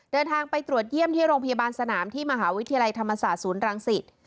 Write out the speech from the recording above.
เดินทางไปตรวจเยี่ยมที่โรงพยาบาลสนามที่มหาวิทยาลัยธรรมศาสตร์ศูนย์รังสิต